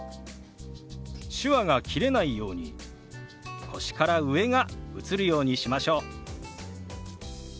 手話が切れないように腰から上が映るようにしましょう。